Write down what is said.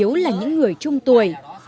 yếu là những người trung tuổi